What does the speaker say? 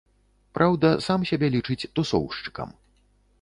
Праўда, сам сябе лічыць тусоўшчыкам.